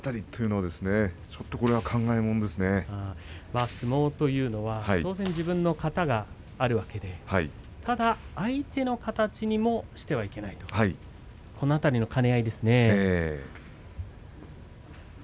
押し相撲というのは当然自分の型があるわけでただ相手の形にもしてはいけないこの辺りの兼ね合いですね。